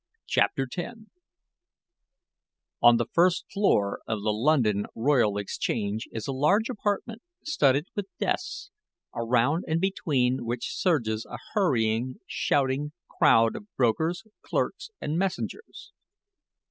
CHAPTER X On the first floor of the London Royal Exchange is a large apartment studded with desks, around and between which surges a hurrying, shouting crowd of brokers, clerks, and messengers.